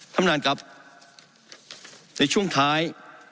ท่านประธานครับในช่วงท้าย